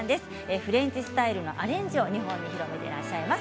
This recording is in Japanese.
フレンチスタイルのアレンジを日本に広めていらっしゃいます。